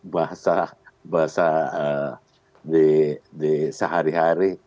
bahasa bahasa ee di di sehari hari